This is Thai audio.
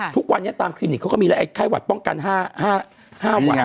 ทุกวันนี้ตามคลินิกเขาก็มีแล้วไอ้ไข้หวัดป้องกัน๕หวัด